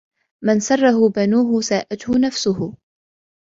مَنْ سَرَّهُ بَنُوهُ سَاءَتْهُ نَفْسُهُ